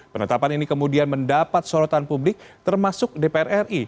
penetapan ini kemudian mendapat sorotan publik termasuk dpr ri